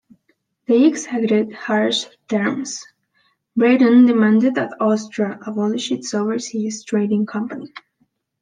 They exacted harsh terms: Britain demanded that Austria abolish its overseas trading company.